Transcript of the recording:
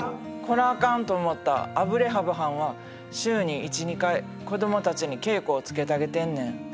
こらあかんと思ったアブレハブはんは週に１２回子どもたちに稽古をつけたげてんねん。